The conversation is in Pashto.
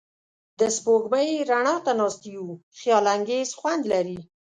د سپوږمۍ رڼا ته ناستې یو خیالانګیز خوند لري.